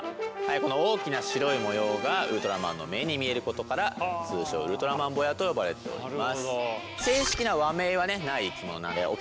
この大きな白い模様がウルトラマンの目に見えることから通称ウルトラマンボヤと呼ばれております。